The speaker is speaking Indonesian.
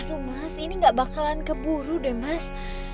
aduh mas ini gak bakalan keburu deh mas